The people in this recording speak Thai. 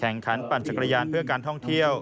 แข่งขันปั่นจักรยานเพื่อการท่องเที่ยว